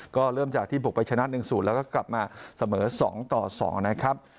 ก็เริ่มจากที่บุกไปชนะ๑๐แล้วก็กลับมาเสมอ๒ต่อ๒นะครับ